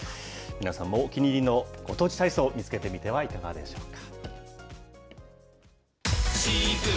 皆さんもお気に入りのご当地体操、見つけてみてはいかがでしょうか。